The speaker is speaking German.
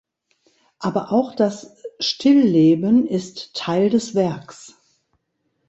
Aber auch das Stillleben ist Teil des Werks.